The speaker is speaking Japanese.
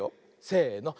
せの。